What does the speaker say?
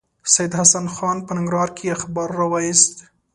سید حسن خان په ننګرهار کې اخبار راوایست.